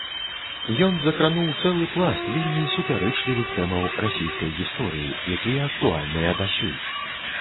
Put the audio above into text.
Ён закрануў цэлы пласт вельмі супярэчлівых тэмаў расійскай гісторыі, якія актуальныя дасюль.